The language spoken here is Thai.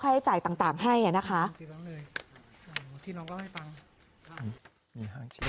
ค่าใช้จ่ายต่างต่างให้น่ะค่ะที่น้องก็ไม่ตังค่ะมีห้างเชือก